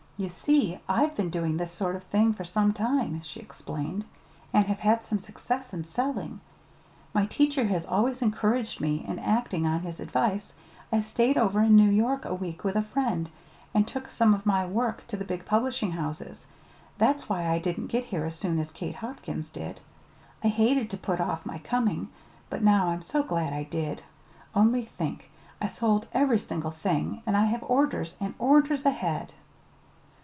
"You see, I've been doing this sort of thing for some time," she explained, "and have had some success in selling. My teacher has always encouraged me, and, acting on his advice, I stayed over in New York a week with a friend, and took some of my work to the big publishing houses. That's why I didn't get here as soon as Kate Hopkins did. I hated to put off my coming; but now I'm so glad I did. Only think! I sold every single thing, and I have orders and orders ahead."